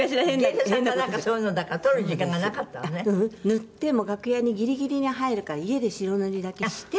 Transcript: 塗って楽屋にギリギリに入るから家で白塗りだけして。